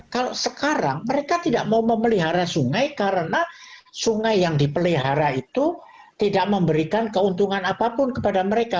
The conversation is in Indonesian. kalau sekarang mereka tidak mau memelihara sungai karena sungai yang dipelihara itu tidak memberikan keuntungan apapun kepada mereka